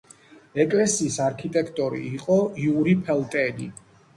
ეკლესიის არქიტექტორი იყო იური ფელტენი.